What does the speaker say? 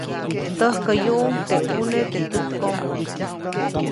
Täjkäyuʼuŋ teʼ ʼuneʼ teʼ täjkomo.